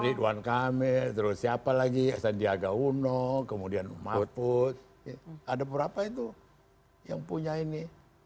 ridwan kamil terus siapa lagi sandiaga uno kemudian mahfud put ada berapa itu yang punya ini